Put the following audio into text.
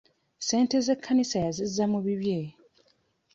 Ssente z'ekkanisa yazizza mu bibye.